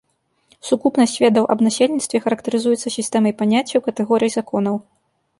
Сукупнасць ведаў аб насельніцтве характарызуецца сістэмай паняццяў, катэгорый, законаў.